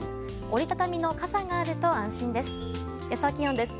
折り畳みの傘があると安心です。